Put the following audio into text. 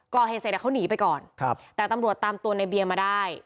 ก่อเหตุเสร็จเขาหนีไปก่อนครับแต่ตำรวจตามตัวในเบียร์มาได้